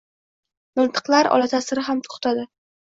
Miltiqlar olatasiri ham to’xtadi.